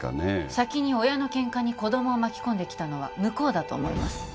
先に親のケンカに子供を巻き込んできたのは向こうだと思います